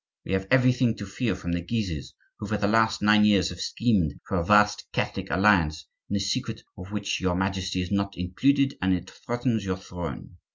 We have everything to fear from the Guises, who, for the last nine years, have schemed for a vast Catholic alliance, in the secret of which your Majesty is not included; and it threatens your throne.